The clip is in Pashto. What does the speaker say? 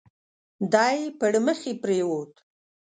دی پړمخي پرېووت.